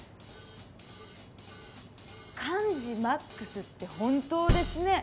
幹事マックスって本当ですね！